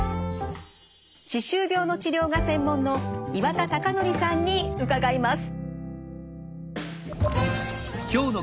歯周病の治療が専門の岩田隆紀さんに伺います。